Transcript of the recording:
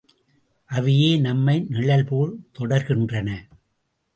அவையே நம்மை நிழல்போல் தொடர்கின்றன.